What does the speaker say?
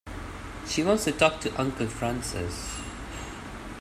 She wants to talk to Uncle Francis.